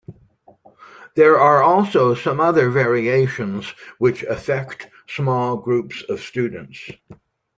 There are also some other variations which affect small groups of students.